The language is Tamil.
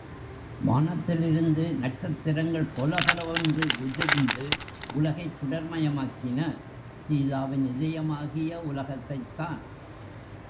வானத்திலிருந்து நட்சத்திரங்கள் பொலபொலவென்று உதிர்ந்து உலகைச் சுடர் மயமாக்கின! சீதாவின் இதயமாகிய உலகத்தைத் தான்!